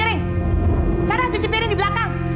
terima kasih celebrating